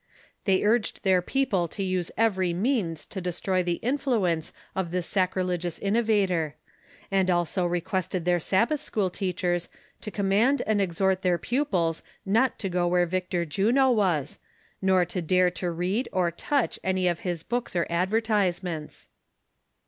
They urged their people to use every means to destroy the influence of this sacrilegious innovator ; and also requested their Sabbath school teach ers to command and exhort their pupils not to go where Victor Juno was, nor to dare to read or touch any of his books or advertisements.